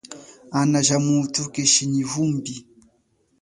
Ana ja mathu keshi nyi vumbi.